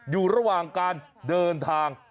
อยู่ระหว่างการเดินทาง